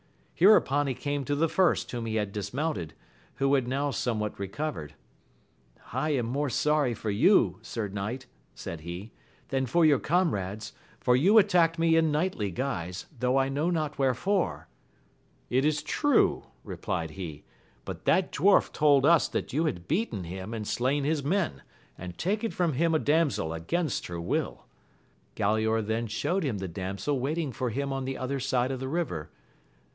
Hereupon he came to the first whom he had dis mounted, who had now somewhat recovered : I am more sorry for you, sir knight, said he, than for your comrades, for you attacked me in knightly guise, though I know not wherefore. It is true, replied he, but that dwarf told us that you had beaten him and slain his men, and taken from him a damsel against her will. Galaor then shewed him the damsel waiting for him on the other side of the river.